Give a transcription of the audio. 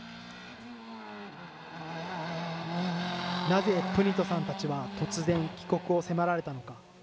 なぜプニトさんたちは突然帰国を迫られたのか。